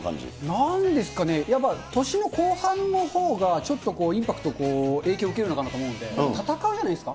なんですかね、やっぱ、年の後半のほうがちょっとインパクト、影響受けるのかなと思うので、戦うじゃないですか？